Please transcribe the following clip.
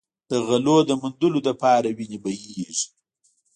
د غلو د موندلو لپاره وینې بهېږي.